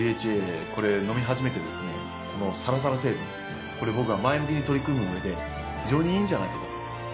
このサラサラ成分これ僕は前向きに取り組むうえで非常にいいんじゃないかと。